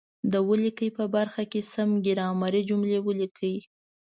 د ولیکئ په برخه کې سمې ګرامري جملې ولیکئ.